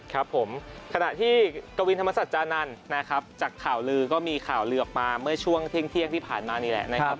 ครับผมขณะที่กวินธรรมสัจจานันทร์นะครับจากข่าวลือก็มีข่าวลือออกมาเมื่อช่วงเที่ยงที่ผ่านมานี่แหละนะครับ